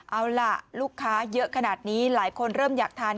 เอาล่ะลูกค้าเยอะขนาดนี้หลายคนเริ่มอยากทาน